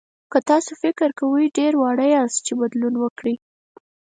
که تاسو فکر کوئ ډېر واړه یاست چې بدلون وکړئ.